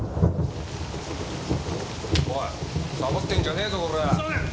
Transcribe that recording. おいさぼってんじゃねえぞコラッ。